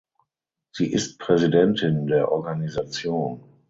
Sie ist Präsidentin der Organisation.